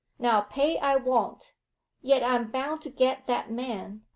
Now pay I won't, yet I'm bound to get that man.